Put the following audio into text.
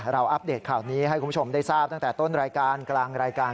อัปเดตข่าวนี้ให้คุณผู้ชมได้ทราบตั้งแต่ต้นรายการกลางรายการ